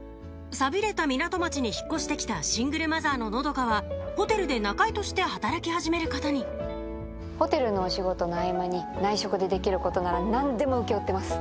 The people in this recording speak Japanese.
寂れた港町に引っ越して来たシングルマザーの和佳はホテルで仲居として働き始めることにホテルのお仕事の合間に内職でできることなら何でも請け負ってます。